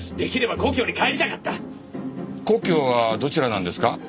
故郷はどちらなんですか？